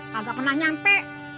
kagak pernah nyampe